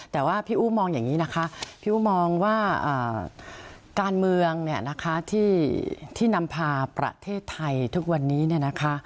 แต่ว่าพี่อู้มองอย่างนี้นะคะพี่อู้มองว่าการเมืองที่นำพาประเทศไทยทุกวันนี้